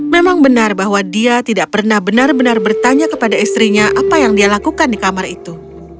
memang benar bahwa dia tidak pernah benar benar bertanya kepada istrinya apa yang dia lakukan di kamar itu